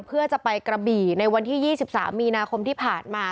เพื่อจะไปกระบี่ในวันที่๒๓มีนาคมที่ผ่านมา